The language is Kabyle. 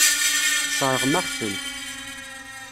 Tesseṛɣem-aɣ-tent.